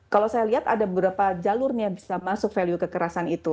kalau saya lihat ada beberapa jalurnya bisa masuk value kekerasan itu